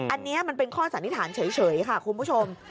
อันนี้มันเป็นข้อสันนิษฐานเฉยค่ะคุณผู้ชม